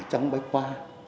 trong bách khoa